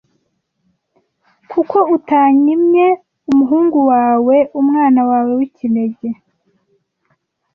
kuko utanyimye umuhungu wawe umwana wawe w’ikinege